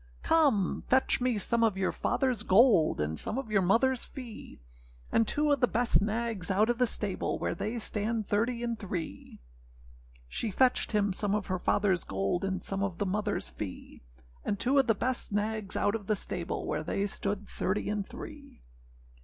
âCome, fetch me some of your fatherâs gold, And some of your motherâs fee; And two of the best nags out of the stable, Where they stand thirty and three.â She fetched him some of her fatherâs gold, And some of the motherâs fee; And two of the best nags out of the stable, Where they stood thirty and three.